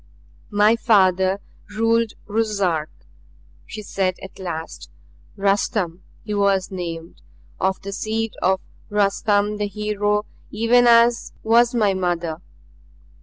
"My father ruled Ruszark," she said at last. "Rustum he was named, of the seed of Rustum the Hero even as was my mother.